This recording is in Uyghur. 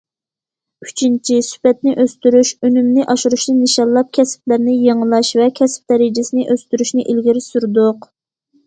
ئۈچىنچى، سۈپەتنى ئۆستۈرۈش، ئۈنۈمنى ئاشۇرۇشنى نىشانلاپ، كەسىپلەرنى يېڭىلاش ۋە كەسىپ دەرىجىسىنى ئۆستۈرۈشنى ئىلگىرى سۈردۇق.